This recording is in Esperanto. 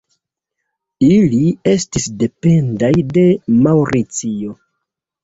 Ili estis dependaj de Maŭricio.